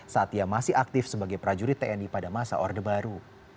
saat ia masih aktif sebagai prajurit tni pada masa orde baru